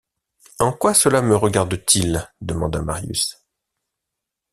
En quoi cela me regarde-t-il ? demanda Marius.